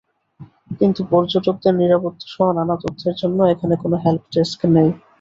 কিন্তু পর্যটকদের নিরাপত্তাসহ নানা তথ্যের জন্য এখানে কোনো হেল্প ডেস্ক নেই।